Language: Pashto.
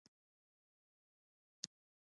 د چیکو میوه په افغانستان کې شته؟